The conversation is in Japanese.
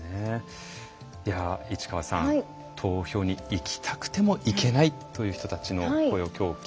市川さん投票に行きたくても行けないという人たちの声を今日、聞いてきました。